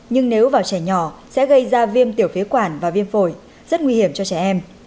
nhưng nếu vào trẻ nhỏ sẽ gây ra viêm tiểu phế quản và viêm phổi rất nguy hiểm cho trẻ em